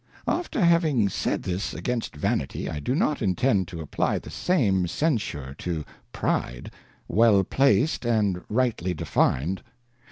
AFter having said this against Vanity, I do not intend to X\ apply the same Censure to Pride, well placed, and rightly defined.